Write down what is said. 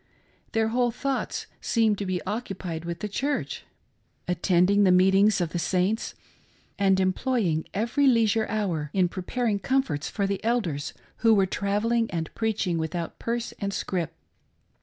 Their whole thoughts seemed to be occupied with the Church, attending the meetings of the saints, and employing every leisure hour in preparing comforts for the Elders who were traveUing and preaching without purse and scrip.